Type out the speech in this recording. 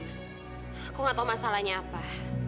aku gak tau masalahnya apa